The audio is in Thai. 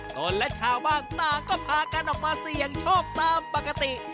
ตนและชาวบ้านต่างก็พากันออกมาเสี่ยงโชคตามปกติ